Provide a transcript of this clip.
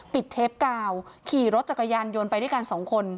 เทปกาวขี่รถจักรยานยนต์ไปด้วยกันสองคน